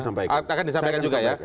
akan disampaikan juga ya